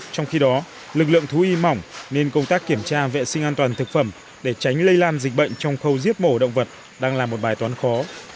trong khi đó lực lượng thú y mỏng nên công tác kiểm tra vệ sinh an toàn thực phẩm để tránh lây lan dịch bệnh trong khâu giết mổ động vật đang là một bài toán khó